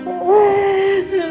aku ga mau pak